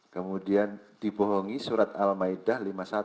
kemudian dibohongi surat al ma'idah lima puluh satu